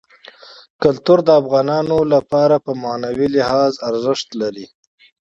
کلتور د افغانانو لپاره په معنوي لحاظ ارزښت لري.